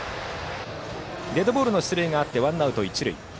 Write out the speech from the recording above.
デッドボールの出塁があってワンアウト、一塁。